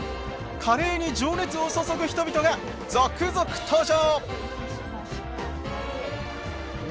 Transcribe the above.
カレーに情熱を注ぐ人々が続々登場！